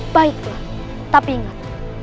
baiklah tapi ingat